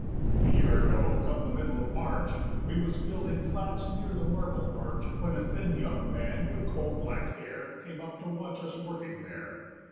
A year ago, come the middle of March, We was building flats near the Marble Arch, When a thin young man with coal black hairCame up to watch us working there.